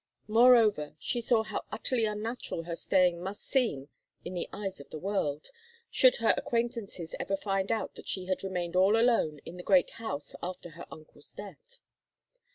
Moreover, she saw how utterly unnatural her staying must seem in the eyes of the world, should her acquaintances ever find out that she had remained all alone in the great house after her uncle's death.